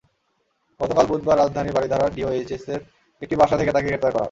গতকাল বুধবার রাজধানীর বারিধারা ডিওএইচএসের একটি বাসা থেকে তাঁকে গ্রেপ্তার করা হয়।